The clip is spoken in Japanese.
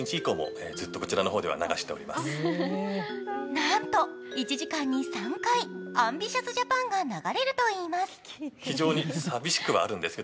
なんと１時間に３回、「ＡＭＢＩＴＩＯＵＳＪＡＰＡＮ！」が流れるといいます。